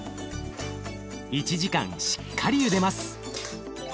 １時間しっかりゆでます。